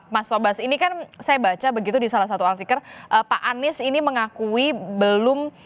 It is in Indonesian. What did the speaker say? mas tobas ini kan saya baca begitu di salah satu artikel pak anies ini mengakui belum